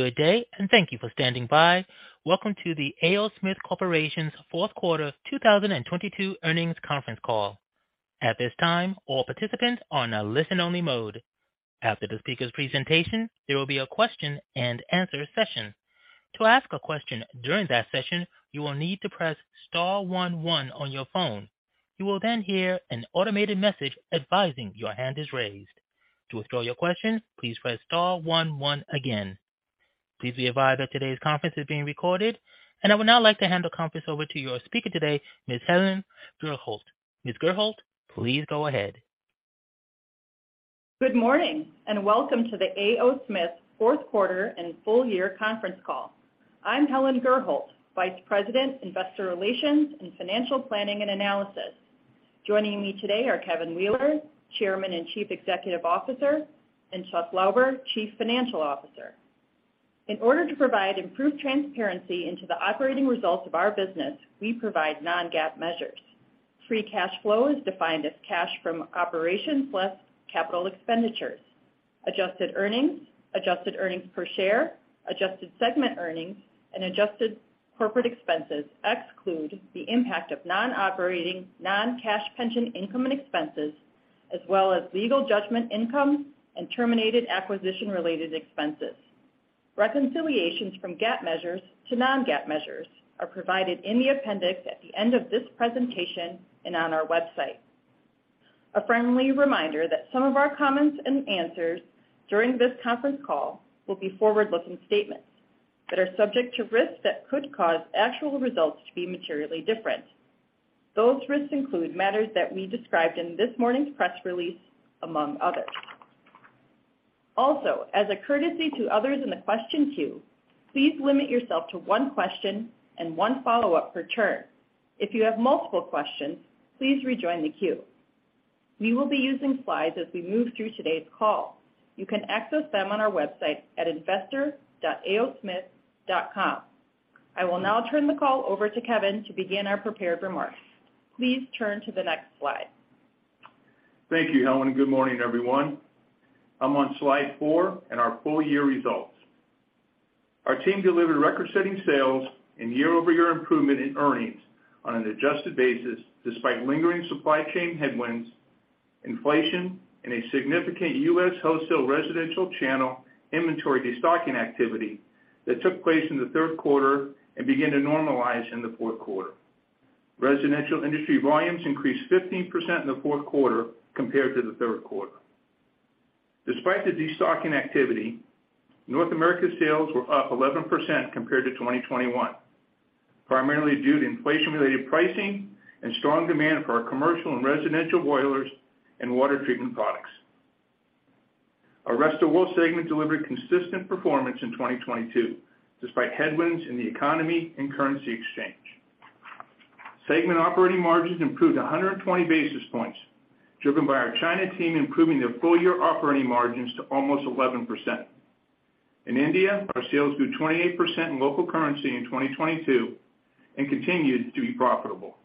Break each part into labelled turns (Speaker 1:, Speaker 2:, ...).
Speaker 1: Good day, and thank you for standing by. Welcome to the A. O. Smith Corporation's Fourth Quarter 2022 Earnings Conference Call. At this time, all participants are on a listen-only mode. After the speaker's presentation, there will be a question and answer session. To ask a question during that session, you will need to press star one, one on your phone. You will then hear an automated message advising your hand is raised. To withdraw your question, please press star one, one again. Please be advised that today's conference is being recorded. I would now like to hand the conference over to your speaker today, Ms. Helen Gurholt. Ms. Gurholt, please go ahead.
Speaker 2: Good morning, and welcome to the A. O. Smith Fourth Quarter and Full Year Conference Call. I'm Helen Gurholt, Vice President, Investor Relations and Financial Planning and Analysis. Joining me today are Kevin Wheeler, Chairman and Chief Executive Officer, and Chuck Lauber, Chief Financial Officer. In order to provide improved transparency into the operating results of our business, we provide non-GAAP measures. Free cash flow is defined as cash from operations plus capital expenditures. Adjusted earnings, adjusted earnings per share, adjusted segment earnings, and adjusted corporate expenses exclude the impact of non-operating non-cash pension income and expenses, as well as legal judgment income and terminated acquisition-related expenses. Reconciliations from GAAP measures to non-GAAP measures are provided in the appendix at the end of this presentation and on our website. A friendly reminder that some of our comments and answers during this conference call will be forward-looking statements that are subject to risks that could cause actual results to be materially different. Those risks include matters that we described in this morning's press release, among others. As a courtesy to others in the question queue, please limit yourself to one question and one follow-up per turn. If you have multiple questions, please rejoin the queue. We will be using slides as we move through today's call. You can access them on our website at investor.aosmith.com. I will now turn the call over to Kevin to begin our prepared remarks. Please turn to the next slide.
Speaker 3: Thank you, Helen, and good morning, everyone. I'm on slide four and our full year results. Our team delivered record-setting sales and year-over-year improvement in earnings on an adjusted basis despite lingering supply chain headwinds, inflation, and a significant U.S. wholesale residential channel inventory destocking activity that took place in the third quarter and began to normalize in the fourth quarter. Residential industry volumes increased 15% in the fourth quarter compared to the third quarter. Despite the destocking activity, North America sales were up 11% compared to 2021, primarily due to inflation-related pricing and strong demand for our commercial and residential boilers and water treatment products. Our rest of world segment delivered consistent performance in 2022 despite headwinds in the economy and currency exchange. Segment operating margins improved 120 basis points, driven by our China team improving their full-year operating margins to almost 11%. In India, our sales grew 28% in local currency in 2022 and continued to be profitable.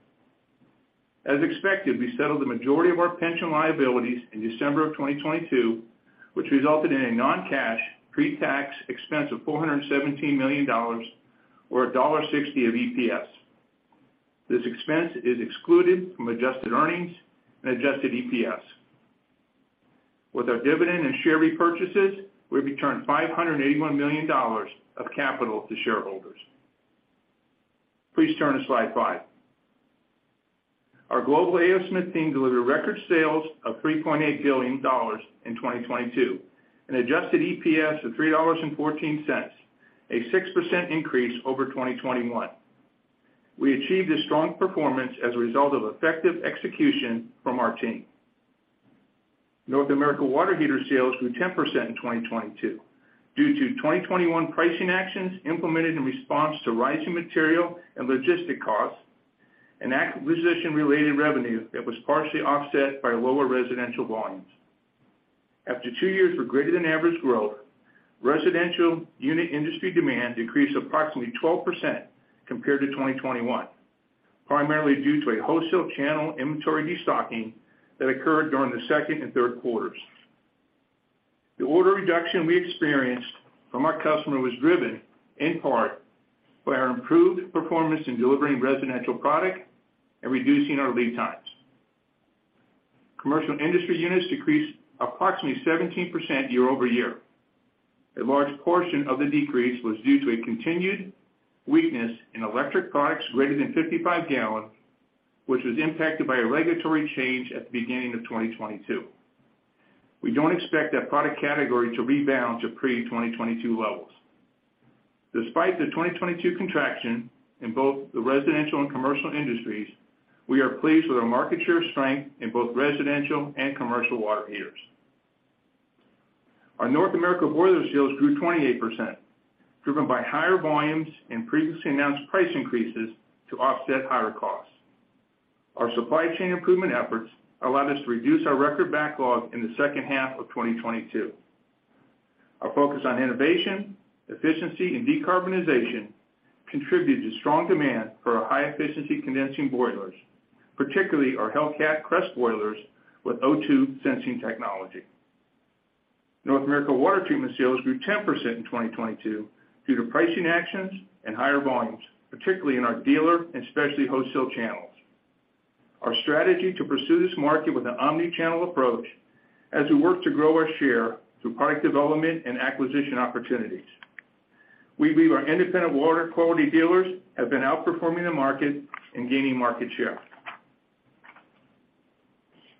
Speaker 3: As expected, we settled the majority of our pension liabilities in December of 2022, which resulted in a non-cash pre-tax expense of $417 million or $1.60 of EPS. This expense is excluded from adjusted earnings and adjusted EPS. With our dividend and share repurchases, we returned $581 million of capital to shareholders. Please turn to slide five. Our global A. O. Smith team delivered record sales of $3.8 billion in 2022, an adjusted EPS of $3.14, a 6% increase over 2021. We achieved a strong performance as a result of effective execution from our team. North America water heater sales grew 10% in 2022 due to 2021 pricing actions implemented in response to rising material and logistic costs and acquisition-related revenue that was partially offset by lower residential volumes. After two years of greater than average growth, residential unit industry demand decreased approximately 12% compared to 2021, primarily due to a wholesale channel inventory destocking that occurred during the second and third quarters. The order reduction we experienced from our customer was driven in part by our improved performance in delivering residential product and reducing our lead times. Commercial industry units decreased approximately 17% year-over-year. A large portion of the decrease was due to a continued weakness in electric products greater than 55 gallon, which was impacted by a regulatory change at the beginning of 2022. We don't expect that product category to rebound to pre-2022 levels. Despite the 2022 contraction in both the residential and commercial industries, we are pleased with our market share strength in both residential and commercial water heaters. Our North America boilers sales grew 28%, driven by higher volumes and previously announced price increases to offset higher costs. Our supply chain improvement efforts allowed us to reduce our record backlog in the second half of 2022. Our focus on innovation, efficiency, and decarbonization contributed to strong demand for our high efficiency condensing boilers, particularly our Hellcat Crest boilers with O2 sensing technology. North America water treatment sales grew 10% in 2022 due to pricing actions and higher volumes, particularly in our dealer and specialty wholesale channels. Our strategy to pursue this market with an omni-channel approach as we work to grow our share through product development and acquisition opportunities. We believe our independent water quality dealers have been outperforming the market and gaining market share.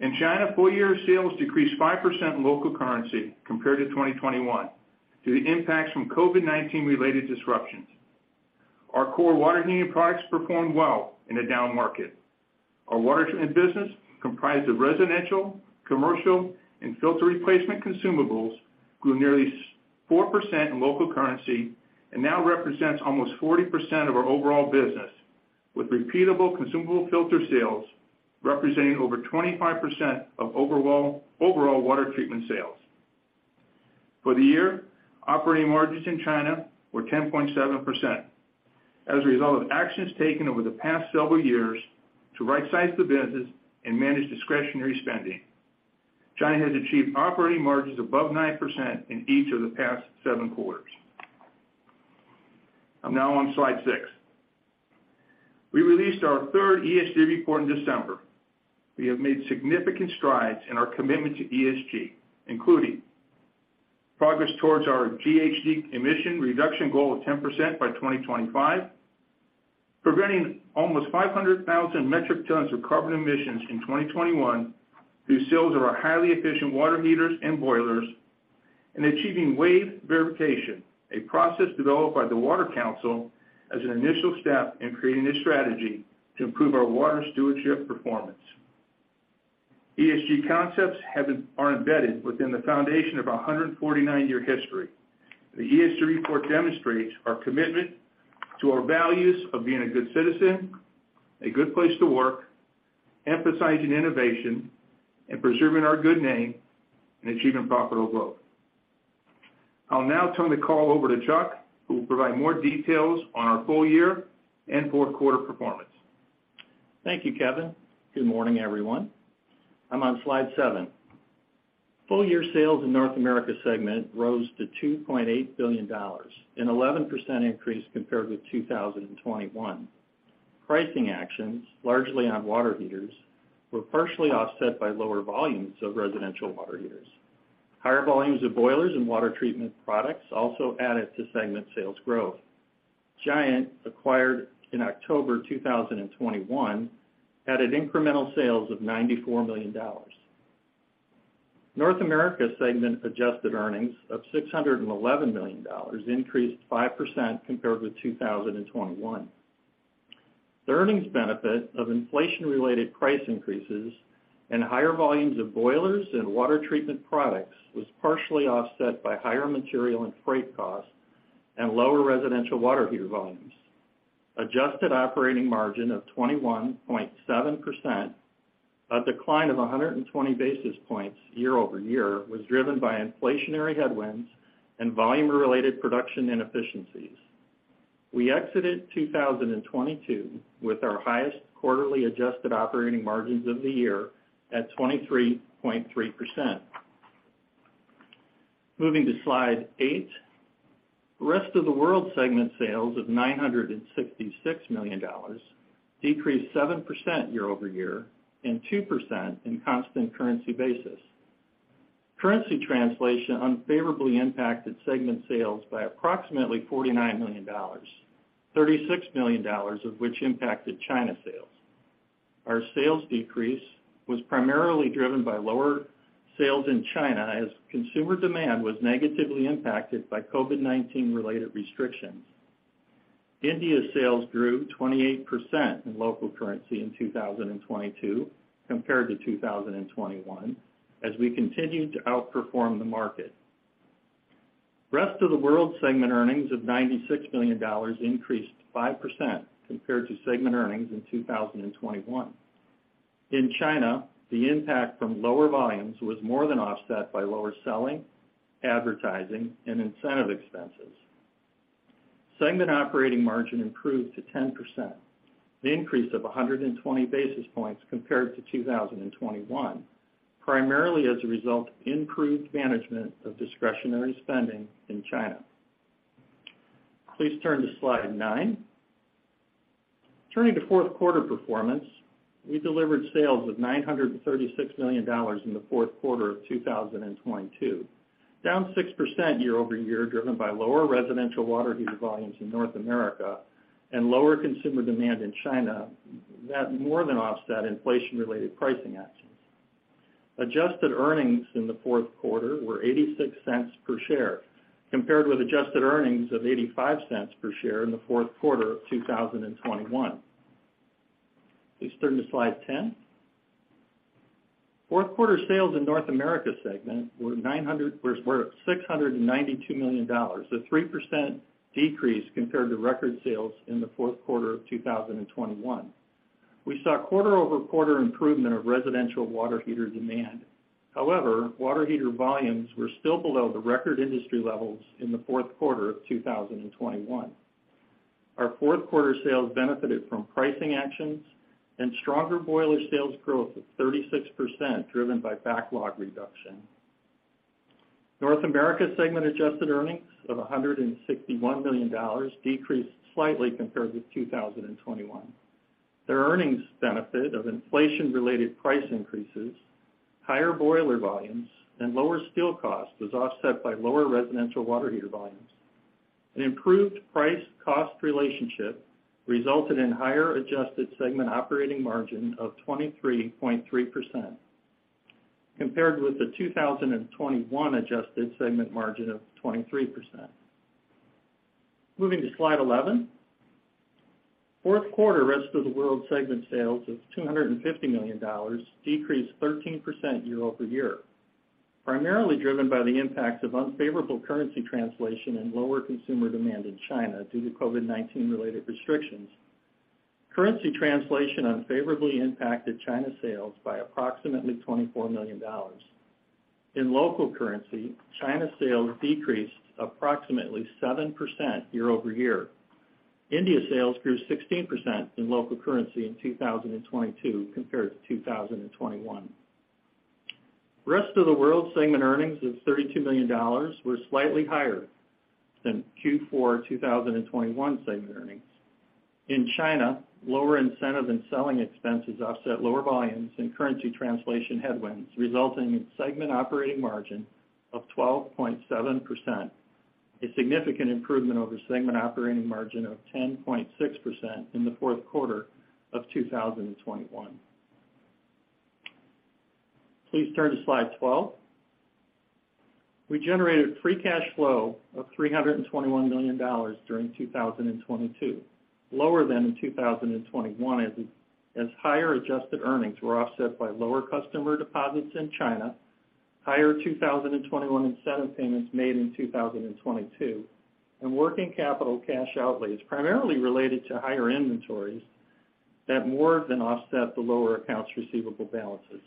Speaker 3: In China, full year sales decreased 5% in local currency compared to 2021 due to impacts from COVID-19 related disruptions. Our core water heating products performed well in a down market. Our water treatment business, comprised of residential, commercial, and filter replacement consumables, grew nearly 4% in local currency and now represents almost 40% of our overall business, with repeatable consumable filter sales representing over 25% of overall water treatment sales. For the year, operating margins in China were 10.7%. As a result of actions taken over the past several years to right size the business and manage discretionary spending, China has achieved operating margins above 9% in each of the past seven quarters. I'm now on slide six. We released our third ESG report in December. We have made significant strides in our commitment to ESG, including progress towards our GHG emission reduction goal of 10% by 2025, preventing almost 500,000 metric tons of carbon emissions in 2021 through sales of our highly efficient water heaters and boilers, and achieving WAVE verification, a process developed by The Water Council as an initial step in creating a strategy to improve our water stewardship performance. ESG concepts are embedded within the foundation of our 149-year history. The ESG report demonstrates our commitment to our values of being a good citizen, a good place to work, emphasizing innovation, and preserving our good name in achieving profitable growth. I'll now turn the call over to Chuck, who will provide more details on our full year and fourth quarter performance.
Speaker 4: Thank you, Kevin. Good morning, everyone. I'm on slide seven. Full year sales in North America segment rose to $2.8 billion, an 11% increase compared with 2021. Pricing actions, largely on water heaters, were partially offset by lower volumes of residential water heaters. Higher volumes of boilers and water treatment products also added to segment sales growth. Giant, acquired in October 2021, added incremental sales of $94 million. North America segment adjusted earnings of $611 million increased 5% compared with 2021. The earnings benefit of inflation-related price increases and higher volumes of boilers and water treatment products was partially offset by higher material and freight costs and lower residential water heater volumes. Adjusted operating margin of 21.7%, a decline of 120 basis points year-over-year, was driven by inflationary headwinds and volume-related production inefficiencies. We exited 2022 with our highest quarterly adjusted operating margins of the year at 23.3%. Moving to slide eight. Rest of the World segment sales of $966 million decreased 7% year-over-year and 2% in constant currency basis. Currency translation unfavorably impacted segment sales by approximately $49 million, $36 million of which impacted China sales. Our sales decrease was primarily driven by lower sales in China as consumer demand was negatively impacted by COVID-19 related restrictions. India sales grew 28% in local currency in 2022 compared to 2021 as we continued to outperform the market. Rest of the World segment earnings of $96 million increased 5% compared to segment earnings in 2021. In China, the impact from lower volumes was more than offset by lower selling, advertising, and incentive expenses. Segment operating margin improved to 10%, the increase of 120 basis points compared to 2021, primarily as a result of improved management of discretionary spending in China. Please turn to slide nine. Turning to fourth quarter performance. We delivered sales of $936 million in the fourth quarter of 2022, down 6% year-over-year, driven by lower residential water heater volumes in North America and lower consumer demand in China that more than offset inflation-related pricing actions. Adjusted earnings in the fourth quarter were $0.86 per share, compared with adjusted earnings of $0.85 per share in the fourth quarter of 2021. Please turn to slide 10. Fourth quarter sales in North America segment were $692 million, a 3% decrease compared to record sales in the fourth quarter of 2021. We saw quarter-over-quarter improvement of residential water heater demand. However, water heater volumes were still below the record industry levels in the fourth quarter of 2021. Our fourth quarter sales benefited from pricing actions and stronger boiler sales growth of 36% driven by backlog reduction. North America segment adjusted earnings of $161 million decreased slightly compared with 2021. Their earnings benefit of inflation-related price increases, higher boiler volumes, and lower steel costs was offset by lower residential water heater volumes. An improved price-cost relationship resulted in higher adjusted segment operating margin of 23.3% compared with the 2021 adjusted segment margin of 23%. Moving to slide 11. Fourth quarter rest of the world segment sales of $250 million decreased 13% year-over-year, primarily driven by the impacts of unfavorable currency translation and lower consumer demand in China due to COVID-19 related restrictions. Currency translation unfavorably impacted China sales by approximately $24 million. In local currency, China sales decreased approximately 7% year-over-year. India sales grew 16% in local currency in 2022 compared to 2021. Rest of the world segment earnings of $32 million were slightly higher than Q4 2021 segment earnings. In China, lower incentive and selling expenses offset lower volumes and currency translation headwinds, resulting in segment operating margin of 12.7%, a significant improvement over segment operating margin of 10.6% in the fourth quarter of 2021. Please turn to slide 12. We generated free cash flow of $321 million during 2022, lower than in 2021 as higher adjusted earnings were offset by lower customer deposits in China, higher 2021 incentive payments made in 2022, and working capital cash outlays primarily related to higher inventories that more than offset the lower accounts receivable balances.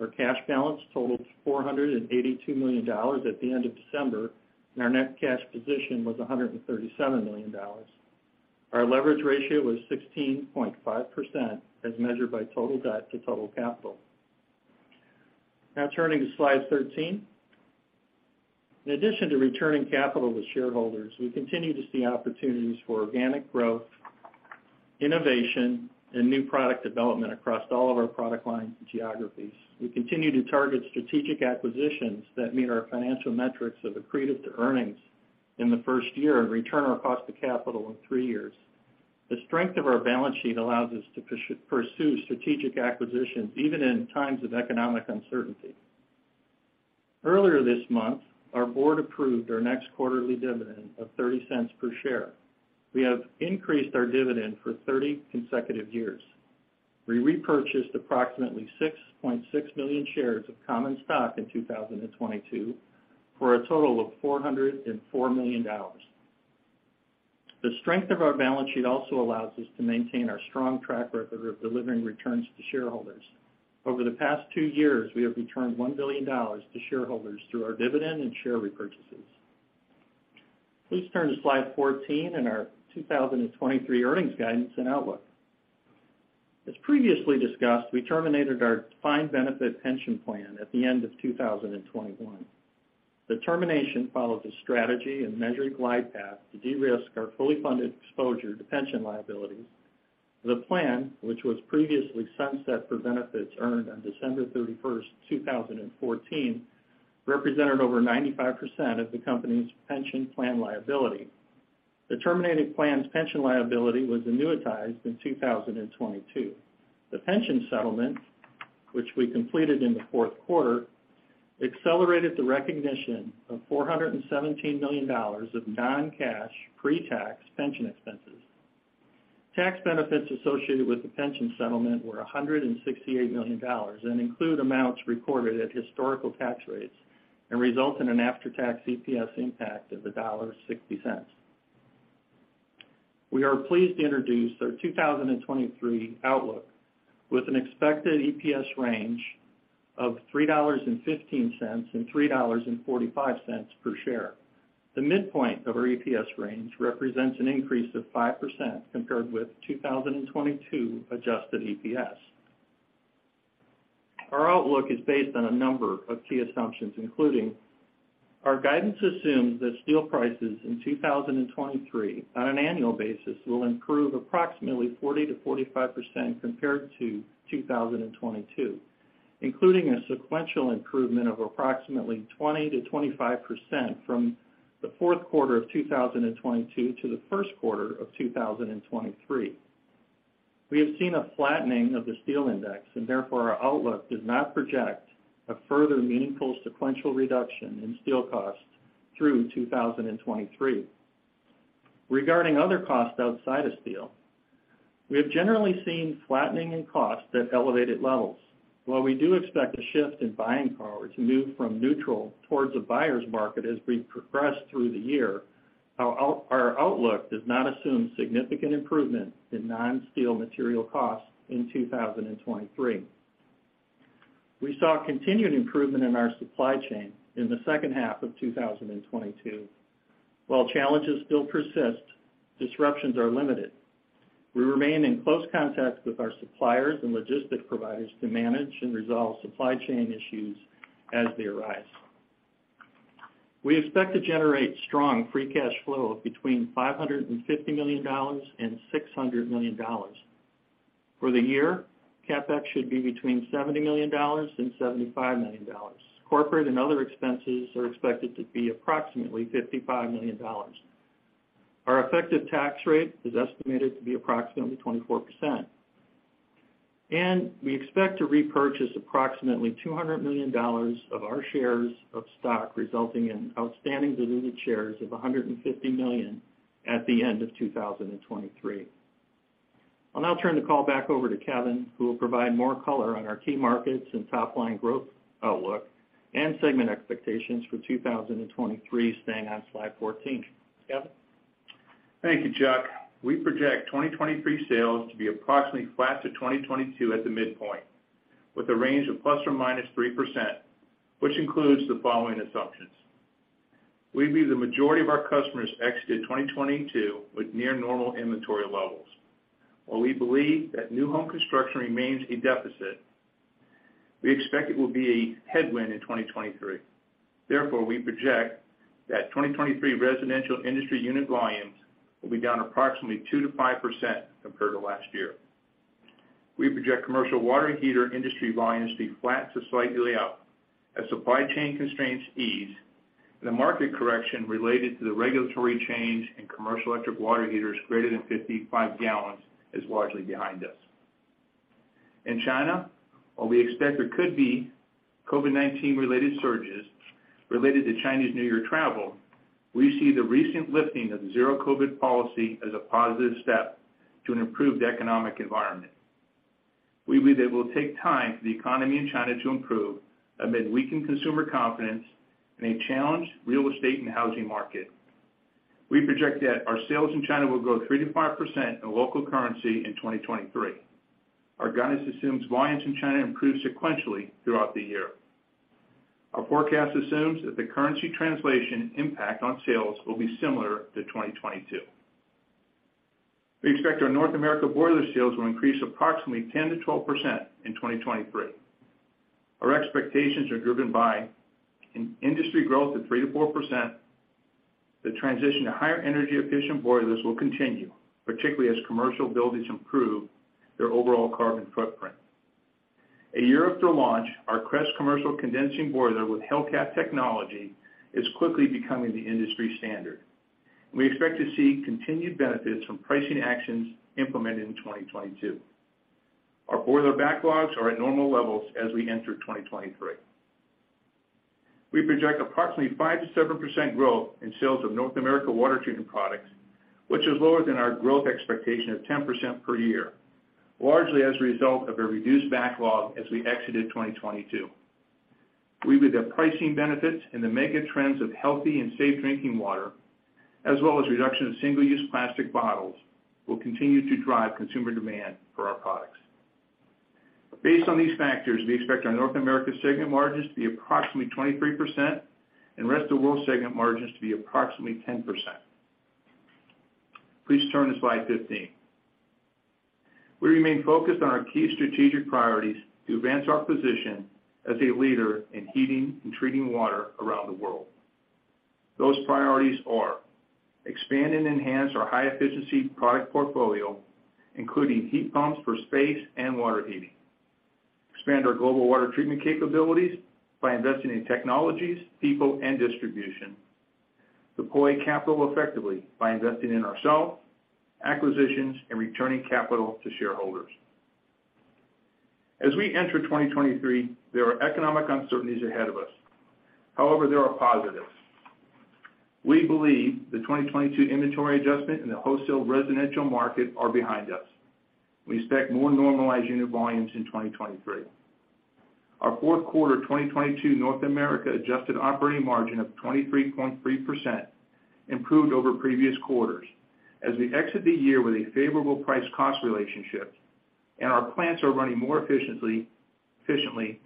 Speaker 4: Our cash balance totaled $482 million at the end of December, and our net cash position was $137 million. Our leverage ratio was 16.5% as measured by total debt to total capital. Turning to slide 13. In addition to returning capital to shareholders, we continue to see opportunities for organic growth, innovation, and new product development across all of our product lines and geographies. We continue to target strategic acquisitions that meet our financial metrics of accretive to earnings in the first year and return our cost of capital in three years. The strength of our balance sheet allows us to pursue strategic acquisitions even in times of economic uncertainty. Earlier this month, our board approved our next quarterly dividend of $0.30 per share. We have increased our dividend for 30 consecutive years. We repurchased approximately 6.6 million shares of common stock in 2022 for a total of $404 million. The strength of our balance sheet also allows us to maintain our strong track record of delivering returns to shareholders. Over the past two years, we have returned $1 billion to shareholders through our dividend and share repurchases. Please turn to slide 14 and our 2023 earnings guidance and outlook. As previously discussed, we terminated our defined benefit pension plan at the end of 2021. The termination followed a strategy and measured glide path to de-risk our fully funded exposure to pension liabilities. The plan, which was previously sunset for benefits earned on December 31st, 2014, represented over 95% of the company's pension plan liability. The terminated plan's pension liability was annuitized in 2022. The pension settlement, which we completed in the fourth quarter, accelerated the recognition of $417 million of non-cash pre-tax pension expenses. Tax benefits associated with the pension settlement were $168 million and include amounts recorded at historical tax rates and result in an after-tax EPS impact of $1.60. We are pleased to introduce our 2023 outlook with an expected EPS range of $3.15-$3.45 per share. The midpoint of our EPS range represents an increase of 5% compared with 2022 adjusted EPS. Our outlook is based on a number of key assumptions, including our guidance assumes that steel prices in 2023 on an annual basis will improve approximately 40%-45% compared to 2022, including a sequential improvement of approximately 20%-25% from the fourth quarter of 2022 to the first quarter of 2023. We have seen a flattening of the steel index. Therefore our outlook does not project a further meaningful sequential reduction in steel costs through 2023. Regarding other costs outside of steel, we have generally seen flattening in costs at elevated levels. While we do expect a shift in buying power to move from neutral towards a buyer's market as we progress through the year. Our outlook does not assume significant improvement in non-steel material costs in 2023. We saw continued improvement in our supply chain in the second half of 2022. While challenges still persist, disruptions are limited. We remain in close contact with our suppliers and logistic providers to manage and resolve supply chain issues as they arise. We expect to generate strong free cash flow of between $550 million and $600 million. For the year, CapEx should be between $70 million and $75 million. Corporate and other expenses are expected to be approximately $55 million. Our effective tax rate is estimated to be approximately 24%. We expect to repurchase approximately $200 million of our shares of stock, resulting in outstanding diluted shares of 150 million at the end of 2023. I'll now turn the call back over to Kevin, who will provide more color on our key markets and top-line growth outlook and segment expectations for 2023, staying on slide 14. Kevin?
Speaker 3: Thank you, Chuck. We project 2023 sales to be approximately flat to 2022 at the midpoint, with a range of ±3%, which includes the following assumptions. We believe the majority of our customers exited 2022 with near normal inventory levels. While we believe that new home construction remains a deficit, we expect it will be a headwind in 2023. We project that 2023 residential industry unit volumes will be down approximately 2%-5% compared to last year. We project commercial water heater industry volumes to be flat to slightly up as supply chain constraints ease. The market correction related to the regulatory change in commercial electric water heaters greater than 55 gallons is largely behind us. In China, while we expect there could be COVID-19-related surges related to Chinese New Year travel, we see the recent lifting of the Zero COVID policy as a positive step to an improved economic environment. We believe it will take time for the economy in China to improve amid weakened consumer confidence and a challenged real estate and housing market. We project that our sales in China will grow 3%-5% in local currency in 2023. Our guidance assumes volumes in China improve sequentially throughout the year. Our forecast assumes that the currency translation impact on sales will be similar to 2022. We expect our North America boiler sales will increase approximately 10%-12% in 2023. Our expectations are driven by an industry growth of 3%-4%. The transition to higher energy efficient boilers will continue, particularly as commercial buildings improve their overall carbon footprint. A year after launch, our Crest commercial condensing boiler with Hellcat technology is quickly becoming the industry standard. We expect to see continued benefits from pricing actions implemented in 2022. Our boiler backlogs are at normal levels as we enter 2023. We project approximately 5% to 7% growth in sales of North America water treatment products, which is lower than our growth expectation of 10% per year, largely as a result of a reduced backlog as we exited 2022. We believe that pricing benefits and the mega trends of healthy and safe drinking water, as well as reduction of single-use plastic bottles, will continue to drive consumer demand for our products. Based on these factors, we expect our North America segment margins to be approximately 23% and rest of world segment margins to be approximately 10%. Please turn to slide 15. We remain focused on our key strategic priorities to advance our position as a leader in heating and treating water around the world. Those priorities are: expand and enhance our high efficiency product portfolio, including heat pumps for space and water heating. Expand our global water treatment capabilities by investing in technologies, people and distribution. Deploy capital effectively by investing in ourselves, acquisitions and returning capital to shareholders. As we enter 2023, there are economic uncertainties ahead of us. There are positives. We believe the 2022 inventory adjustment in the wholesale residential market are behind us. We expect more normalized unit volumes in 2023. Our fourth quarter 2022 North America adjusted operating margin of 23.3% improved over previous quarters as we exit the year with a favorable price cost relationship and our plants are running more efficiently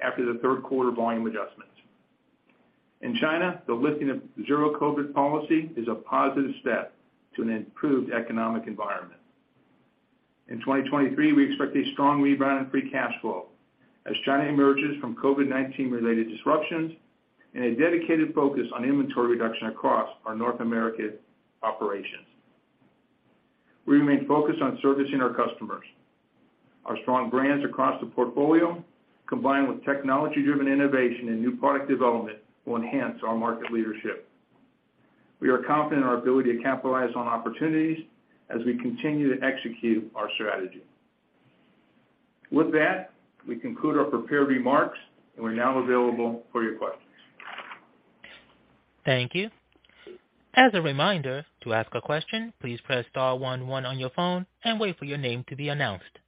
Speaker 3: after the third quarter volume adjustments. In China, the lifting of zero-COVID policy is a positive step to an improved economic environment. In 2023, we expect a strong rebound in free cash flow as China emerges from COVID-19-related disruptions and a dedicated focus on inventory reduction across our North American operations. We remain focused on servicing our customers. Our strong brands across the portfolio, combined with technology-driven innovation and new product development, will enhance our market leadership. We are confident in our ability to capitalize on opportunities as we continue to execute our strategy. With that, we conclude our prepared remarks and we're now available for your questions.
Speaker 1: Thank you. As a reminder, to ask a question, please press star one one on your phone and wait for your name to be announced.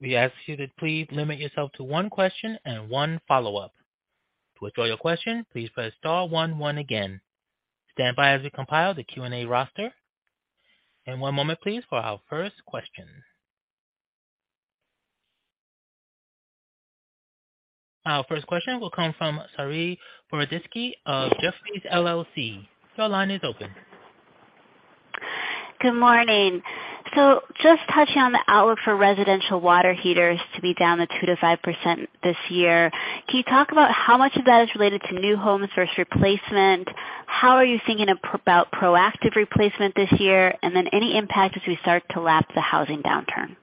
Speaker 1: We ask you to please limit yourself to one question and one follow-up. To withdraw your question, please press star one one again. Stand by as we compile the Q&A roster. One moment please for our first question. Our first question will come from Saree Boroditsky of Jefferies LLC. Your line is open.
Speaker 5: Good morning. Just touching on the outlook for residential water heaters to be down 2%-5% this year. Can you talk about how much of that is related to new homes versus replacement? How are you thinking about proactive replacement this year? Any impact as we start to lap the housing downturn?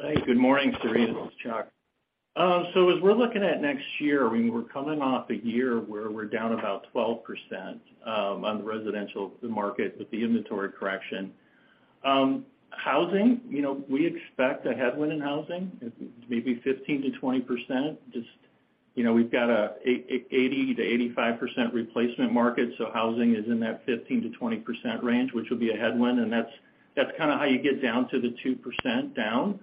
Speaker 4: Hey, good morning, Saree. This is Chuck. As we're looking at next year, I mean, we're coming off a year where we're down about 12%, on the residential market with the inventory correction. Housing, you know, we expect a headwind in housing, maybe 15%-20%. Just, you know, we've got a 80%-85% replacement market, so housing is in that 15%-20% range, which will be a headwind, and that's kinda how you get down to the 2% down.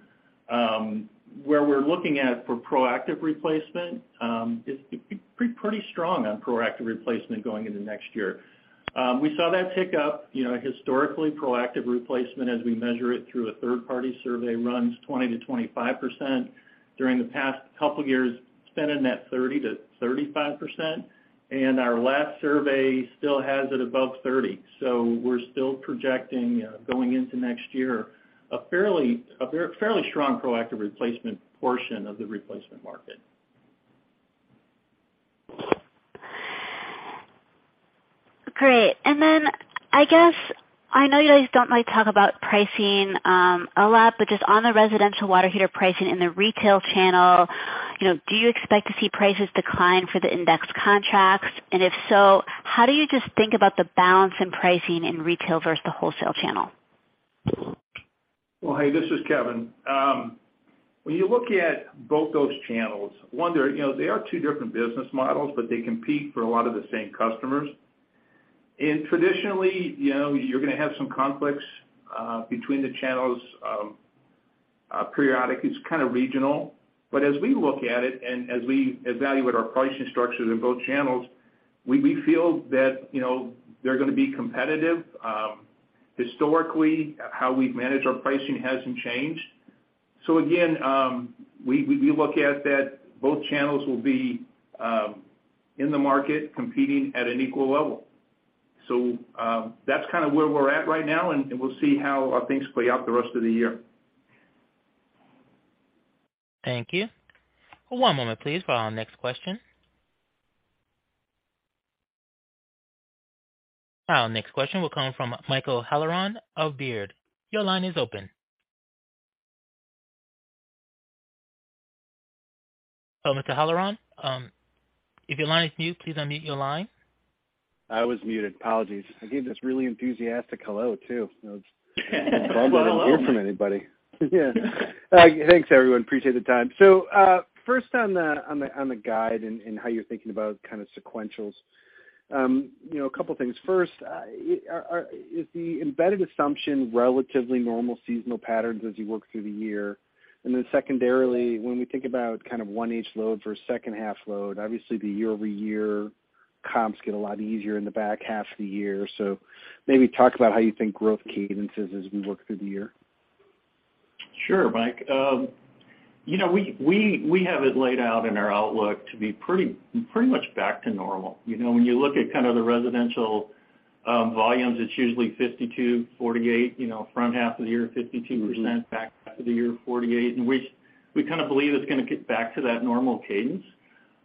Speaker 4: Where we're looking at for proactive replacement, is pretty strong on proactive replacement going into next year. We saw that tick up. You know, historically, proactive replacement, as we measure it through a third-party survey, runs 20%-25%. During the past couple years, it's been in that 30%-35%. Our last survey still has it above 30. We're still projecting, going into next year, a fairly strong proactive replacement portion of the replacement market.
Speaker 5: Great. I guess I know you guys don't like to talk about pricing, a lot, but just on the residential water heater pricing in the retail channel, you know, do you expect to see prices decline for the indexed contracts? If so, how do you just think about the balance in pricing in retail versus the wholesale channel?
Speaker 3: Well, hey, this is Kevin. When you look at both those channels, one, they're, you know, they are two different business models, but they compete for a lot of the same customers. Traditionally, you know, you're gonna have some conflicts between the channels, periodic. It's kinda regional. As we look at it and as we evaluate our pricing structures in both channels, we feel that, you know, they're gonna be competitive. Historically, how we've managed our pricing hasn't changed. Again, we look at that both channels will be in the market competing at an equal level. That's kinda where we're at right now, and we'll see how things play out the rest of the year.
Speaker 1: Thank you. One moment, please, for our next question. Our next question will come from Michael Halloran of Baird. Your line is open. Oh, Mr. Halloran, if your line is mute, please unmute your line.
Speaker 6: I was muted. Apologies. I gave this really enthusiastic hello, too.
Speaker 3: Hello.
Speaker 6: Didn't hear from anybody. Yeah. Thanks, everyone. Appreciate the time. First on the guide and how you're thinking about kinda sequentials. You know, a couple things. First, is the embedded assumption relatively normal seasonal patterns as you work through the year? Secondarily, when we think about kind of one each load versus second half load, obviously the year-over-year comps get a lot easier in the back half of the year. Maybe talk about how you think growth cadences as we work through the year.
Speaker 4: Sure, Mike. You know, we have it laid out in our outlook to be pretty much back to normal. You know, when you look at kinda the residential volumes, it's usually 52, 48, you know, front half of the year, 52%. Back half of the year, 48. We kinda believe it's gonna get back to that normal cadence.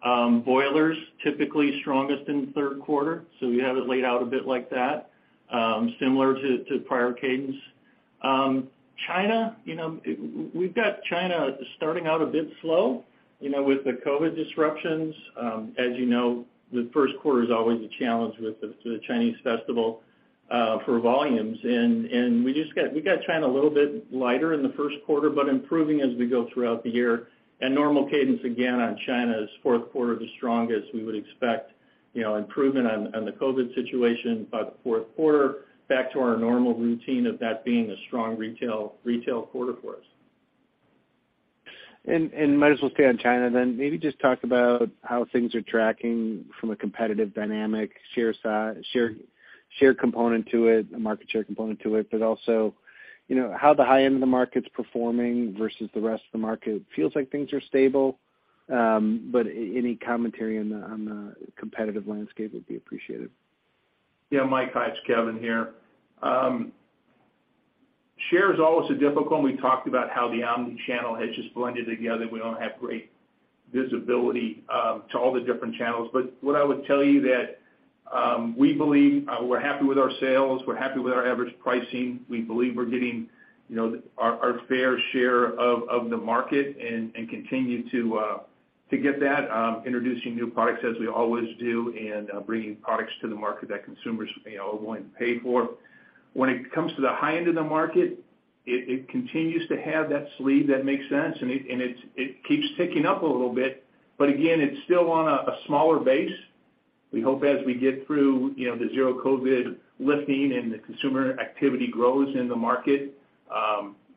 Speaker 4: Boilers, typically strongest in the third quarter, so we have it laid out a bit like that, similar to prior cadence. China, you know, we've got China starting out a bit slow, you know, with the COVID disruptions. As you know, the first quarter is always a challenge with the Chinese New Year for volumes. We got China a little bit lighter in the first quarter, but improving as we go throughout the year. Normal cadence, again, on China is fourth quarter the strongest. We would expect, you know, improvement on the COVID situation by the fourth quarter. Back to our normal routine of that being a strong retail quarter for us.
Speaker 6: Might as well stay on China then. Maybe just talk about how things are tracking from a competitive dynamic, share component to it, a market share component to it, but also, you know, how the high end of the market's performing versus the rest of the market. It feels like things are stable, but any commentary on the competitive landscape would be appreciated.
Speaker 3: Yeah, Mike. Hi, it's Kevin here. share is always difficult, we talked about how the omni-channel has just blended together. We don't have great visibility to all the different channels. What I would tell you that, we believe, we're happy with our sales, we're happy with our average pricing. We believe we're getting, you know, our fair share of the market and continue to get that, introducing new products as we always do and bringing products to the market that consumers, you know, are willing to pay for. When it comes to the high end of the market, it continues to have that sleeve that makes sense, and it keeps ticking up a little bit. Again, it's still on a smaller base. We hope as we get through, you know, the zero-COVID lifting and the consumer activity grows in the market,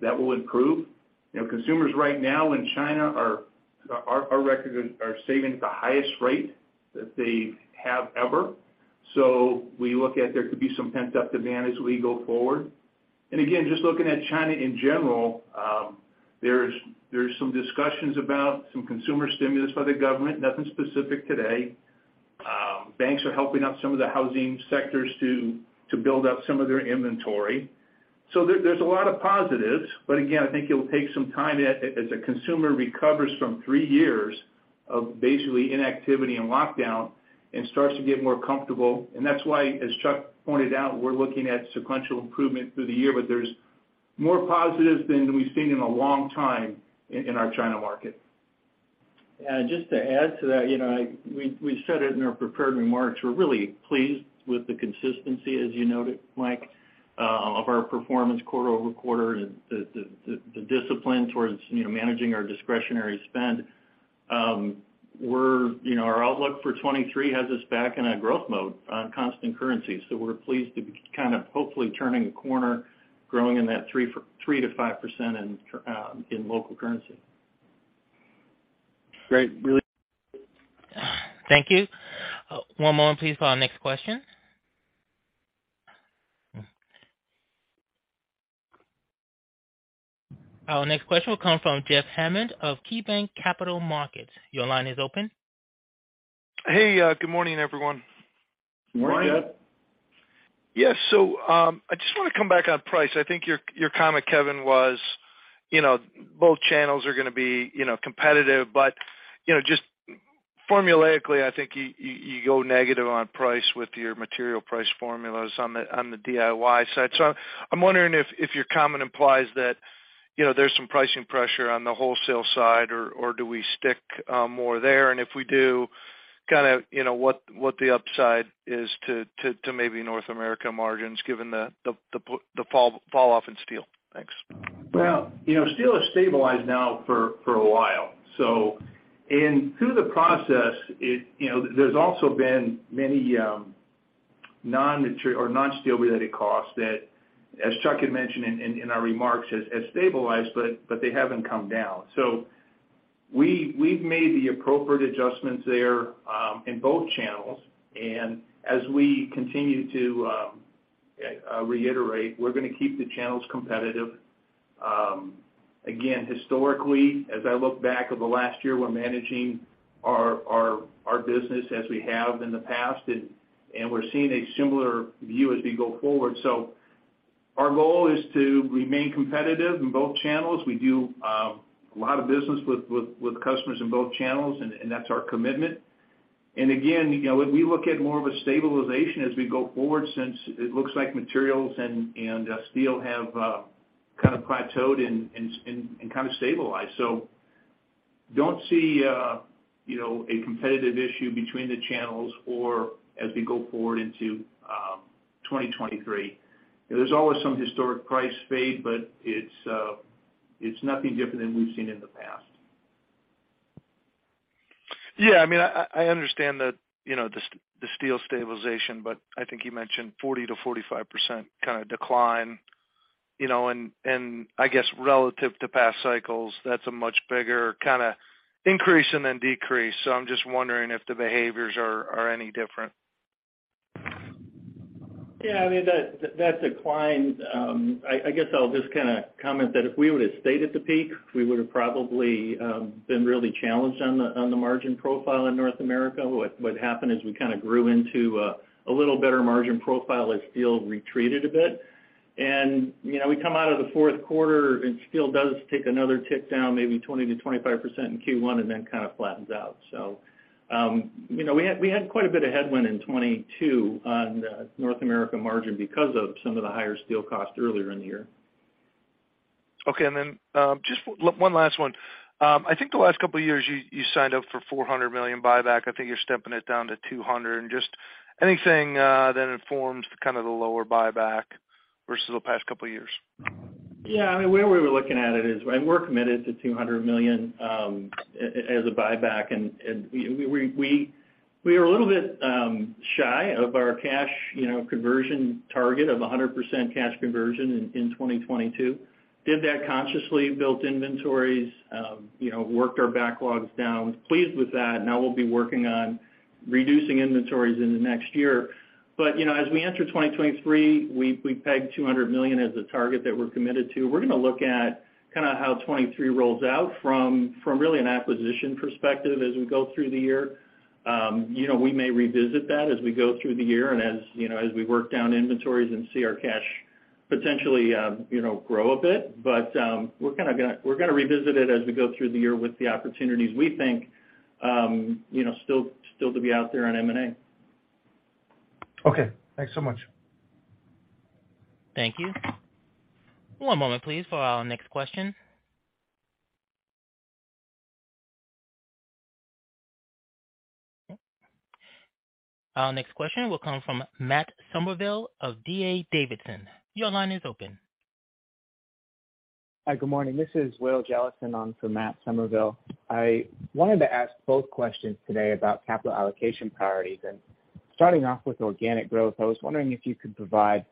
Speaker 3: that will improve. You know, consumers right now in China are saving at the highest rate that they have ever. We look at there could be some pent-up demand as we go forward. Again, just looking at China in general, there's some discussions about some consumer stimulus by the government. Nothing specific today. Banks are helping out some of the housing sectors to build up some of their inventory. There's a lot of positives. Again, I think it'll take some time as the consumer recovers from three years of basically inactivity and lockdown and starts to get more comfortable. That's why, as Chuck pointed out, we're looking at sequential improvement through the year, but there's more positives than we've seen in a long time in our China market.
Speaker 4: Just to add to that, you know, we said it in our prepared remarks, we're really pleased with the consistency, as you noted, Mike, of our performance quarter-over-quarter and the discipline towards, you know, managing our discretionary spend. You know, our outlook for 2023 has us back in a growth mode on constant currency. We're pleased to be kind of hopefully turning a corner, growing in that 3%-5% in local currency.
Speaker 6: Great.
Speaker 1: Thank you. One moment please for our next question. Our next question will come from Jeffrey Hammond of KeyBanc Capital Markets. Your line is open.
Speaker 7: Hey, good morning, everyone.
Speaker 3: Morning, Jeff.
Speaker 4: Morning.
Speaker 7: Yes, I just wanna come back on price. I think your comment, Kevin, was, you know, both channels are gonna be, you know, competitive but, you know, just formulaically, I think you go negative on price with your material price formulas on the DIY side. I'm wondering if your comment implies that, you know, there's some pricing pressure on the wholesale side or do we stick more there? If we do, kinda, you know, what the upside is to maybe North America margins given the falloff in steel. Thanks.
Speaker 3: you know, steel has stabilized now for a while. Through the process it, you know, there's also been many non-steel related costs that, as Chuck had mentioned in our remarks, has stabilized, but they haven't come down. We've made the appropriate adjustments there in both channels. As we continue to reiterate, we're gonna keep the channels competitive. Historically, as I look back over the last year, we're managing our business as we have in the past, and we're seeing a similar view as we go forward. Our goal is to remain competitive in both channels. We do a lot of business with customers in both channels, and that's our commitment. Again, you know, we look at more of a stabilization as we go forward since it looks like materials and steel have kind of plateaued and kind of stabilized. Don't see, you know, a competitive issue between the channels for as we go forward into 2023. You know, there's always some historic price fade, but it's nothing different than we've seen in the past.
Speaker 7: Yeah, I mean, I understand that, you know, the steel stabilization, but I think you mentioned 40%-45% kinda decline, you know, and I guess relative to past cycles, that's a much bigger kinda increase and then decrease. I'm just wondering if the behaviors are any different.
Speaker 4: Yeah, I mean, that decline, I guess I'll just kinda comment that if we would've stayed at the peak, we would've probably been really challenged on the margin profile in North America. What happened is we kinda grew into a little better margin profile as steel retreated a bit. You know, we come out of the fourth quarter and steel does take another tick down, maybe 20%-25% in Q1 and then kinda flattens out. You know, we had quite a bit of headwind in 2022 on North America margin because of some of the higher steel costs earlier in the year.
Speaker 7: Okay, just one last one. I think the last couple years you signed up for $400 million buyback. I think you're stepping it down to $200 million. Just anything that informs kind of the lower buyback versus the past couple years?
Speaker 4: Yeah, I mean, the way we were looking at it is, and we're committed to $200 million as a buyback, and we were a little bit shy of our cash, you know, conversion target of 100% cash conversion in 2022. Did that consciously, built inventories, you know, worked our backlogs down. Pleased with that. Now we'll be working on reducing inventories in the next year. You know, as we enter 2023, we pegged $200 million as a target that we're committed to. We're gonna look at kinda how 2023 rolls out from really an acquisition perspective as we go through the year. You know, we may revisit that as we go through the year and as we work down inventories and see our cash potentially, you know, grow a bit. We're gonna revisit it as we go through the year with the opportunities we think, you know, still to be out there on M&A.
Speaker 7: Okay, thanks so much.
Speaker 1: Thank you. One moment please for our next question. Our next question will come from Matt Summerville of D.A. Davidson. Your line is open.
Speaker 8: Hi, good morning. This is Will Jellison on for Matthew Summerville. I wanted to ask both questions today about capital allocation priorities. Starting off with organic growth, I was wondering if you could provide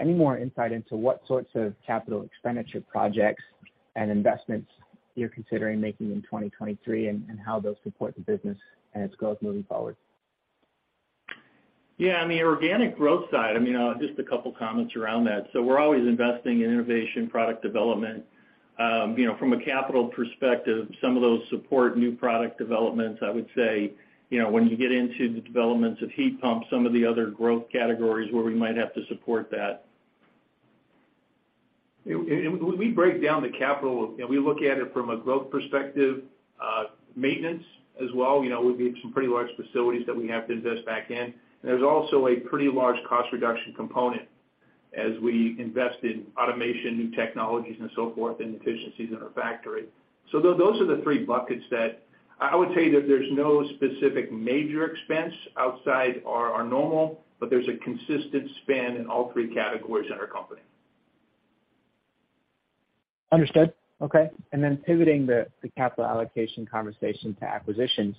Speaker 8: any more insight into what sorts of capital expenditure projects and investments you're considering making in 2023, and how those support the business and its growth moving forward.
Speaker 4: Yeah, on the organic growth side, I mean, just a couple comments around that. We're always investing in innovation, product development. You know, from a capital perspective, some of those support new product developments, I would say, you know, when you get into the developments of heat pumps, some of the other growth categories where we might have to support that.
Speaker 3: When we break down the capital and we look at it from a growth perspective, maintenance as well, you know, we've some pretty large facilities that we have to invest back in. There's also a pretty large cost reduction component as we invest in automation, new technologies and so forth, and efficiencies in our factory. Those are the three buckets that... I would tell you that there's no specific major expense outside our normal, but there's a consistent spend in all three categories in our company.
Speaker 8: Understood. Okay. Then pivoting the capital allocation conversation to acquisitions,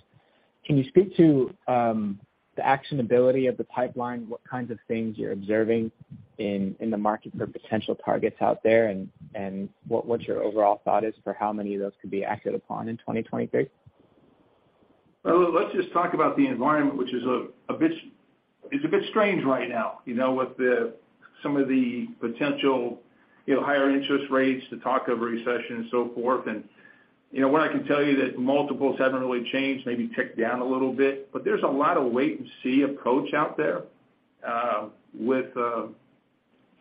Speaker 8: can you speak to the actionability of the pipeline, what kinds of things you're observing in the market for potential targets out there, and what your overall thought is for how many of those could be acted upon in 2023?
Speaker 3: Well, let's just talk about the environment, which is a bit strange right now, you know, with some of the potential, you know, higher interest rates, the talk of a recession and so forth. What I can tell you that multiples haven't really changed, maybe ticked down a little bit. There's a lot of wait and see approach out there with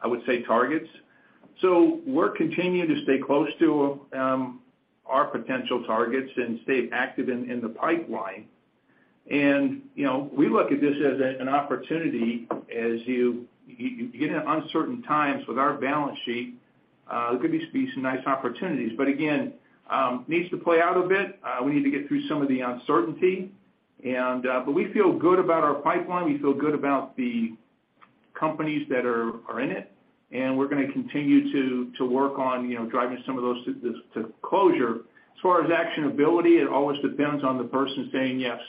Speaker 3: I would say targets. We're continuing to stay close to our potential targets and stay active in the pipeline. We look at this as an opportunity as you get uncertain times with our balance sheet, there could be some nice opportunities. Again, needs to play out a bit. We need to get through some of the uncertainty. We feel good about our pipeline. We feel good about the companies that are in it, and we're gonna continue to work on, you know, driving some of those to closure. As far as actionability, it always depends on the person saying yes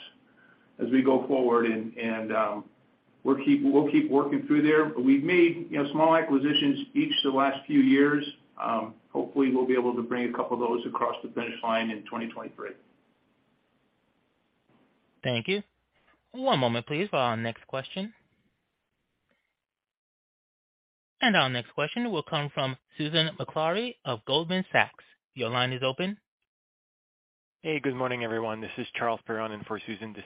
Speaker 3: as we go forward. We'll keep working through there. We've made, you know, small acquisitions each the last few years. Hopefully, we'll be able to bring a couple of those across the finish line in 2023.
Speaker 1: Thank you. One moment please for our next question. Our next question will come from Susan Maklari of Goldman Sachs. Your line is open.
Speaker 9: Hey, good morning, everyone. This is Charles Perron-Piché in for Susan this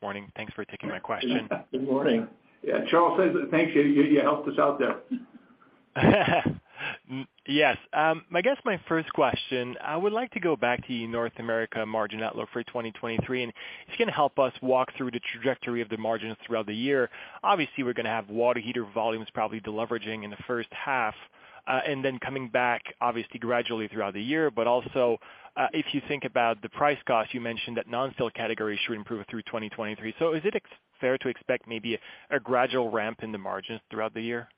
Speaker 9: morning. Thanks for taking my question.
Speaker 4: Good morning.
Speaker 3: Yeah, Charles says thanks. You helped us out there.
Speaker 9: Yes. I guess my first question, I would like to go back to North America margin outlook for 2023, if you can help us walk through the trajectory of the margins throughout the year. Obviously, we're gonna have water heater volumes probably deleveraging in the first half, and then coming back obviously gradually throughout the year. Also, if you think about the price cost, you mentioned that non-steel categories should improve through 2023. Is it fair to expect maybe a gradual ramp in the margins throughout the year?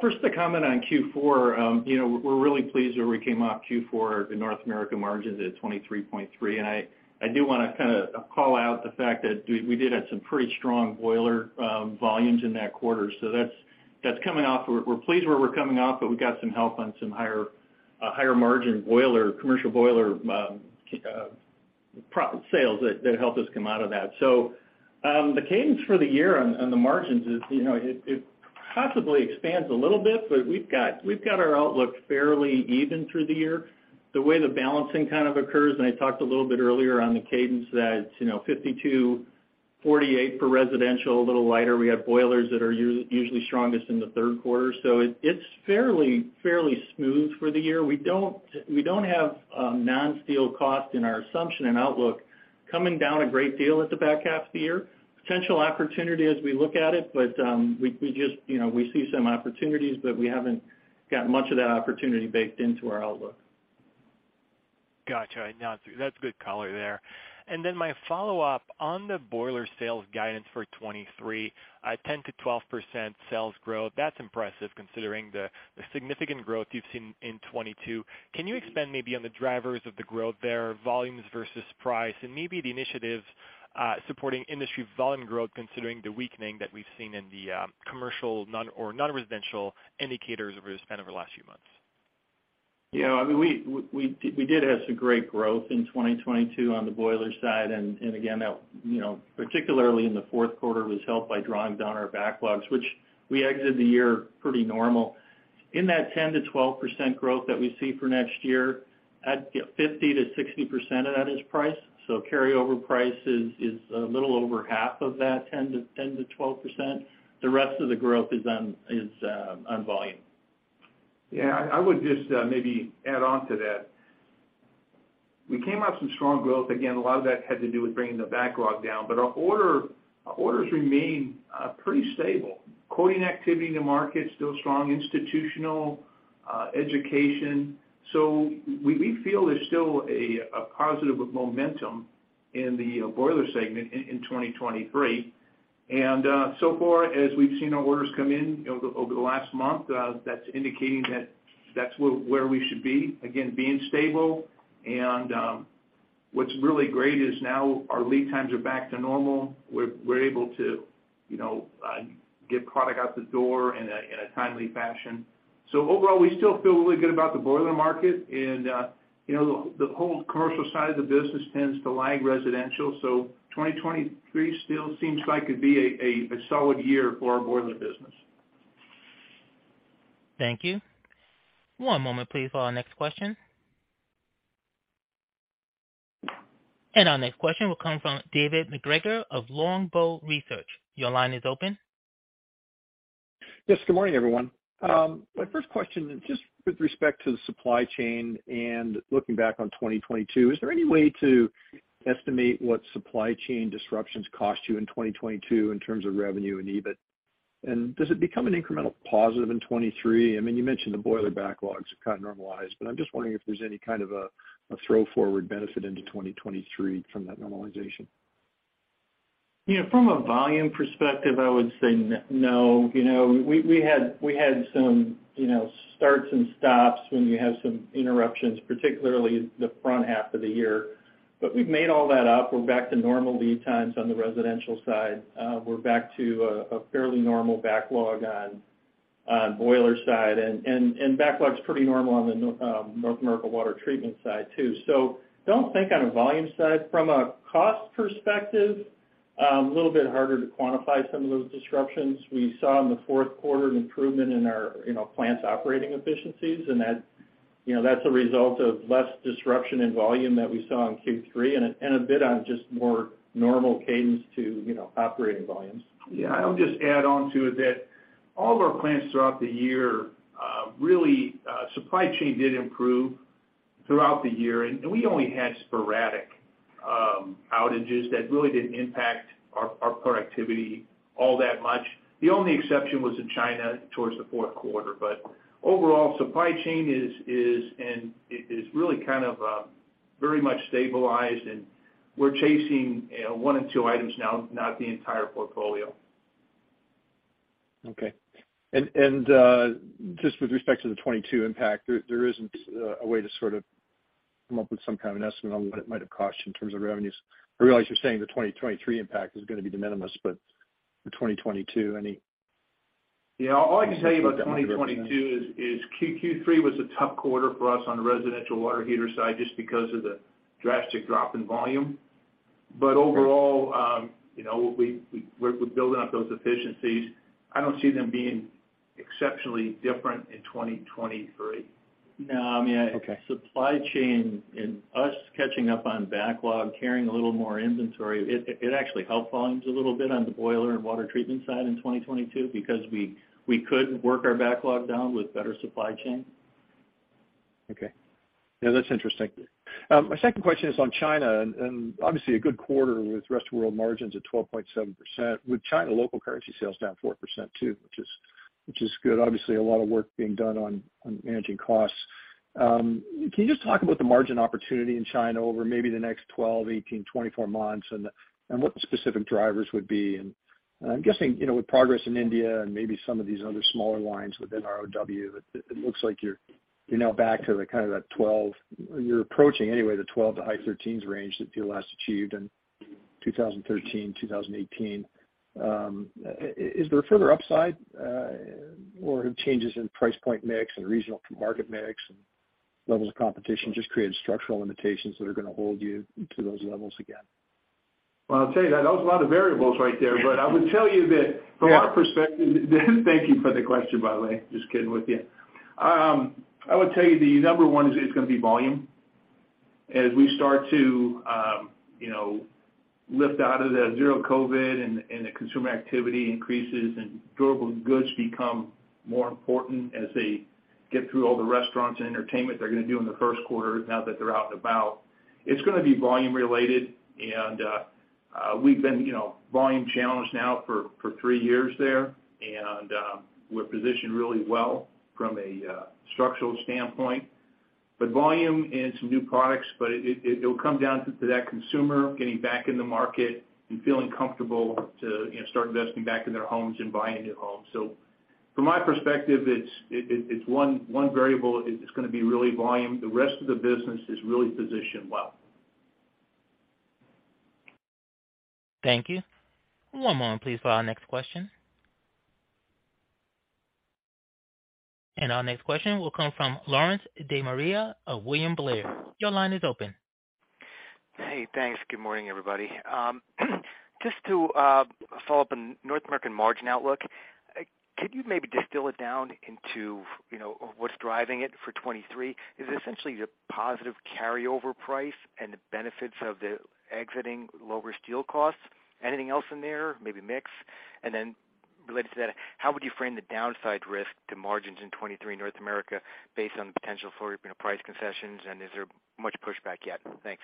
Speaker 4: First the comment on Q4. you know, we're really pleased where we came off Q4, the North America margins at 23.3%. I do wanna kinda call out the fact that we did have some pretty strong boiler volumes in that quarter. That's coming off. We're pleased where we're coming off, but we got some help on some higher margin boiler, commercial boiler sales that helped us come out of that. The cadence for the year on the margins is, you know, it possibly expands a little bit, but we've got our outlook fairly even through the year. The way the balancing kind of occurs, I talked a little bit earlier on the cadence that, you know, 52-48 for residential, a little lighter. We have boilers that are usually strongest in the third quarter. It's fairly smooth for the year. We don't have non-steel cost in our assumption and outlook coming down a great deal at the back half of the year. Potential opportunity as we look at it, we just, you know, we see some opportunities, but we haven't got much of that opportunity baked into our outlook.
Speaker 9: Gotcha. No, that's a good color there. My follow-up on the boiler sales guidance for 2023, 10%-12% sales growth. That's impressive, considering the significant growth you've seen in 2022. Can you expand maybe on the drivers of the growth there, volumes versus price, and maybe the initiatives supporting industry volume growth, considering the weakening that we've seen in the commercial non-residential indicators over the span of the last few months?
Speaker 4: Yeah. I mean, we did have some great growth in 2022 on the boiler side, and again, that, you know, particularly in the fourth quarter, was helped by drawing down our backlogs, which we exited the year pretty normal. In that 10%-12% growth that we see for next year, 50%-60% of that is price. Carryover price is a little over half of that 10%-12%. The rest of the growth is on volume.
Speaker 3: Yeah, I would just maybe add on to that. We came off some strong growth. Again, a lot of that had to do with bringing the backlog down, but our orders remain pretty stable. Quoting activity in the market is still strong, institutional, education. We feel there's still a positive momentum in the boiler segment in 2023. So far as we've seen our orders come in over the last month, that's indicating that that's where we should be, again, being stable. What's really great is now our lead times are back to normal. We're able to, you know, get product out the door in a timely fashion. Overall, we still feel really good about the boiler market and, you know, the whole commercial side of the business tends to lag residential. 2023 still seems like it'd be a solid year for our boiler business.
Speaker 1: Thank you. One moment please for our next question. Our next question will come from David MacGregor of Longbow Research. Your line is open.
Speaker 10: Yes, good morning, everyone. My first question, just with respect to the supply chain and looking back on 2022, is there any way to estimate what supply chain disruptions cost you in 2022 in terms of revenue and EBIT? Does it become an incremental positive in 2023? I mean, you mentioned the boiler backlogs have kind of normalized, but I'm just wondering if there's any kind of a throw forward benefit into 2023 from that normalization.
Speaker 3: You know, from a volume perspective, I would say no. You know, we had some, you know, starts and stops when you have some interruptions, particularly the front half of the year. We've made all that up. We're back to normal lead times on the residential side. We're back to a fairly normal backlog on boiler side, and backlogs pretty normal on the North America water treatment side too. Don't think on a volume side. From a cost perspective, a little bit harder to quantify some of those disruptions. We saw in the fourth quarter an improvement in our, you know, plants operating efficiencies, and that, you know, that's a result of less disruption in volume that we saw in Q3 and a bit on just more normal cadence to, you know, operating volumes.
Speaker 4: I'll just add on to that. All of our plants throughout the year, really, supply chain did improve throughout the year. We only had sporadic outages that really didn't impact our productivity all that much. The only exception was in China towards the fourth quarter. Overall, supply chain is really kind of very much stabilized, and we're chasing one or two items now, not the entire portfolio.
Speaker 10: Okay. Just with respect to the 2022 impact, there isn't a way to sort of come up with some kind of an estimate on what it might have cost you in terms of revenues? I realize you're saying the 2023 impact is gonna be de minimis, but for 2022, any?
Speaker 4: Yeah. All I can tell you about 2022 is Q3 was a tough quarter for us on the residential water heater side just because of the drastic drop in volume. Overall, you know, we're building up those efficiencies. I don't see them being exceptionally different in 2023. No, I mean.
Speaker 10: Okay.
Speaker 4: Supply chain and us catching up on backlog, carrying a little more inventory, it actually helped volumes a little bit on the boiler and water treatment side in 2022 because we could work our backlog down with better supply chain.
Speaker 10: Okay. Yeah, that's interesting. My second question is on China, and obviously a good quarter with rest of world margins at 12.7%, with China local currency sales down 4% too, which is good. Obviously, a lot of work being done on managing costs. Can you just talk about the margin opportunity in China over maybe the next 12, 18, 24 months, and what the specific drivers would be? I'm guessing, you know, with progress in India and maybe some of these other smaller lines within ROW, You're approaching anyway the 12 to high 13s range that you last achieved in 2013, 2018. Is there further upside, or have changes in price point mix and regional market mix and levels of competition just created structural limitations that are gonna hold you to those levels again?
Speaker 3: Well, I'll tell you that there's a lot of variables right there. I would tell you that from our perspective, thank you for the question, by the way, just kidding with you. I would tell you the number one is it's gonna be volume. As we start to, you know, lift out of the zero-COVID and the consumer activity increases and durable goods become more important as they get through all the restaurants and entertainment they're gonna do in the first quarter now that they're out and about, it's gonna be volume related. We've been, you know, volume challenged now for three years there, and we're positioned really well from a structural standpoint. Volume and some new products, but it'll come down to that consumer getting back in the market and feeling comfortable to, you know, start investing back in their homes and buying new homes. From my perspective, it's one variable is jus t gonna be really volume. The rest of the business is really positioned well.
Speaker 1: Thank you. One moment, please, for our next question. Our next question will come from Larry De Maria of William Blair. Your line is open.
Speaker 11: Hey, thanks. Good morning, everybody. Just to follow up on North American margin outlook, could you maybe distill it down into, you know, what's driving it for 2023? Is it essentially the positive carryover price and the benefits of the exiting lower steel costs? Anything else in there, maybe mix? Related to that, how would you frame the downside risk to margins in 2023 North America based on the potential for, you know, price concessions, and is there much pushback yet? Thanks.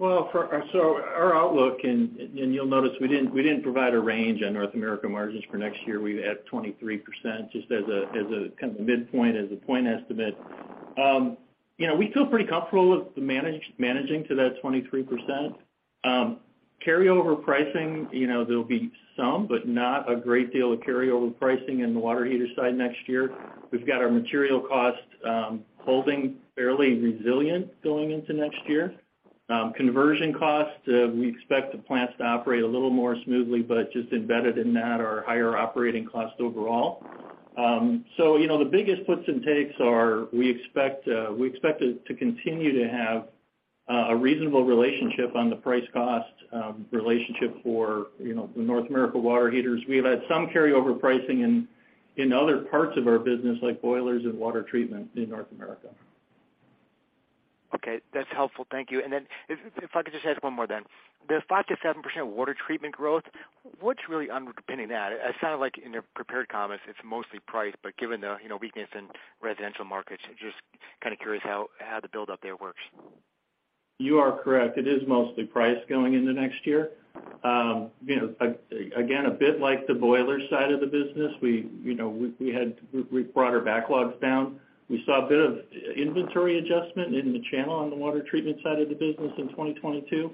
Speaker 3: Our outlook, and you'll notice we didn't, we didn't provide a range on North America margins for next year. We've had 23% just as a, as a kind of a midpoint, as a point estimate. You know, we feel pretty comfortable with the managing to that 23%. Carryover pricing, you know, there'll be some, but not a great deal of carryover pricing in the water heater side next year. We've got our material costs, holding fairly resilient going into next year. Conversion costs, we expect the plants to operate a little more smoothly, but just embedded in that are higher operating costs overall. The biggest puts and takes are we expect it to continue to have a reasonable relationship on the price-cost relationship for the North America water heaters. We have had some carryover pricing in other parts of our business, like boilers and water treatment in North America.
Speaker 11: Okay. That's helpful. Thank you. If I could just ask one more then. The 5%-7% water treatment growth, what's really underpinning that? It sounded like in their prepared comments it's mostly price, but given the, you know, weakness in residential markets, just kind of curious how the buildup there works.
Speaker 3: You are correct. It is mostly price going into next year. You know, again, a bit like the boiler side of the business, we, you know, brought our backlogs down. We saw a bit of inventory adjustment in the channel on the water treatment side of the business in 2022.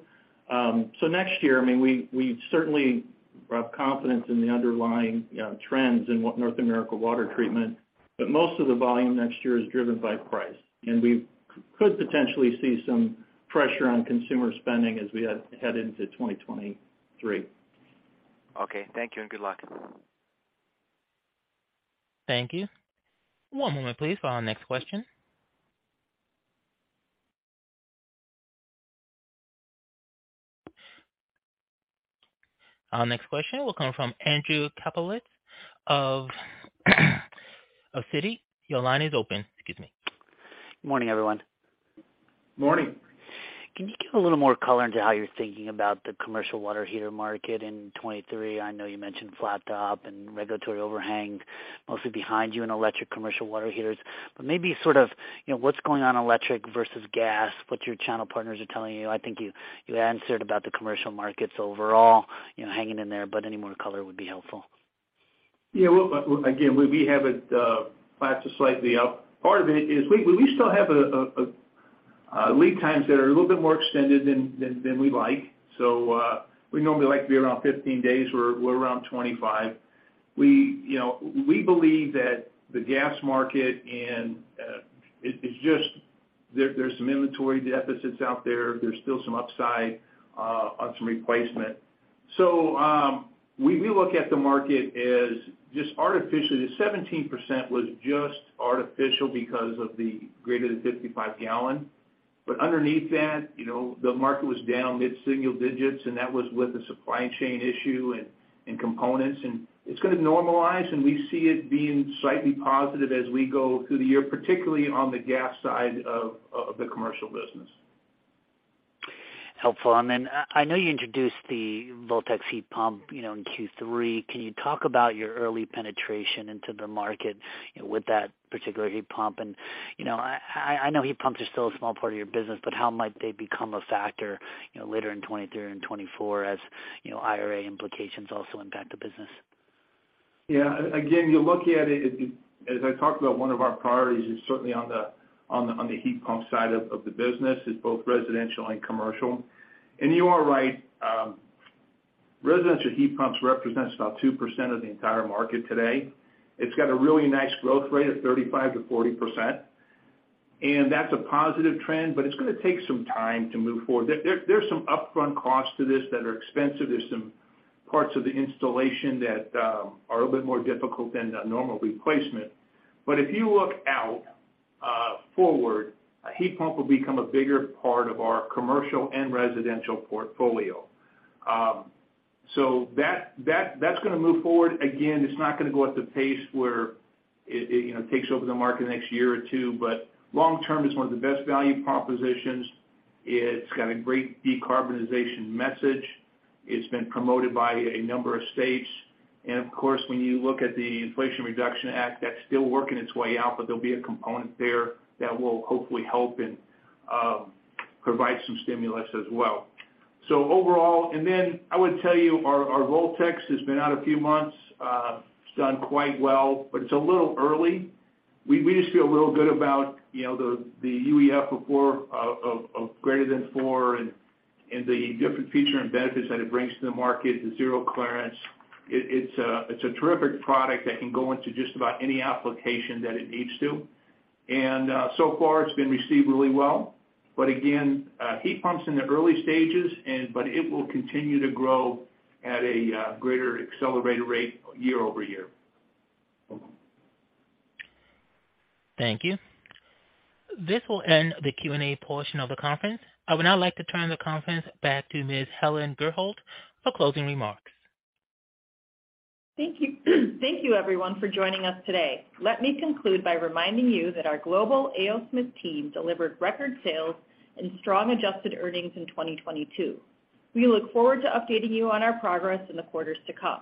Speaker 3: Next year, I mean, we certainly have confidence in the underlying trends in what North America water treatment. Most of the volume next year is driven by price, and we could potentially see some pressure on consumer spending as we head into 2023.
Speaker 11: Okay. Thank you and good luck.
Speaker 1: Thank you. One moment please for our next question. Our next question will come from Andrew Kaplowitz of Citi. Your line is open. Excuse me.
Speaker 12: Morning, everyone.
Speaker 3: Morning.
Speaker 12: Can you give a little more color into how you're thinking about the commercial water heater market in 2023? I know you mentioned flat top and regulatory overhang mostly behind you in electric commercial water heaters, but maybe sort of, you know, what's going on electric versus gas, what your channel partners are telling you. I think you answered about the commercial markets overall, you know, hanging in there, but any more color would be helpful.
Speaker 3: Well, again, we have it flat to slightly up. Part of it is we still have lead times that are a little bit more extended than we like. We normally like to be around 15 days. We're around 25. We, you know, we believe that the gas market and it is just there's some inventory deficits out there. There's still some upside on some replacement. We look at the market as just artificially. 17% was just artificial because of the greater than 55 gallon. Underneath that, you know, the market was down mid-single digits, and that was with the supply chain issue and components. It's gonna normalize, and we see it being slightly positive as we go through the year, particularly on the gas side of the commercial business.
Speaker 12: Helpful. Then I know you introduced the Voltex heat pump, you know, in Q3. Can you talk about your early penetration into the market, you know, with that particular heat pump? You know, I know heat pumps are still a small part of your business, but how might they become a factor, you know, later in 2023 and 2024 as, you know, IRA implications also impact the business?
Speaker 3: Yeah. Again, you look at it as I talked about one of our priorities is certainly on the heat pump side of the business is both residential and commercial. You are right, residential heat pumps represents about 2% of the entire market today. It's got a really nice growth rate of 35%-40%, and that's a positive trend, but it's gonna take some time to move forward. There's some upfront costs to this that are expensive. There's some parts of the installation that are a little bit more difficult than the normal replacement. If you look out, forward, a heat pump will become a bigger part of our commercial and residential portfolio. That's gonna move forward. Again, it's not gonna go at the pace where it, you know, takes over the market the next year or two, but long term, it's one of the best value propositions. It's got a great decarbonization message. It's been promoted by a number of states. Of course, when you look at the Inflation Reduction Act, that's still working its way out, but there'll be a component there that will hopefully help and provide some stimulus as well. Overall. I would tell you our Voltex has been out a few months, it's done quite well, but it's a little early. We just feel real good about, you know, the UEF of greater than four and the different feature and benefits that it brings to the market, the zero clearance. It's a terrific product that can go into just about any application that it needs to. So far it's been received really well. Again, heat pumps in the early stages but it will continue to grow at a greater accelerated rate year-over-year.
Speaker 1: Thank you. This will end the Q&A portion of the conference. I would now like to turn the conference back to Ms. Helen Gurholt for closing remarks.
Speaker 2: Thank you. Thank you everyone for joining us today. Let me conclude by reminding you that our global A. O. Smith team delivered record sales and strong adjusted earnings in 2022. We look forward to updating you on our progress in the quarters to come.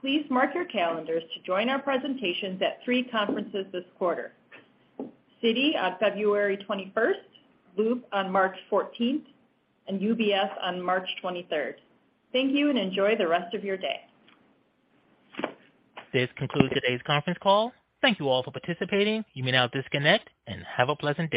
Speaker 2: Please mark your calendars to join our presentations at three conferences this quarter. Citi on February 21st, BMO on March 14th, and UBS on March 23rd. Thank you and enjoy the rest of your day.
Speaker 1: This concludes today's conference call. Thank you all for participating. You may now disconnect and have a pleasant day.